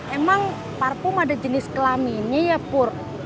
emang parfum ada jenis kelaminnya ya pur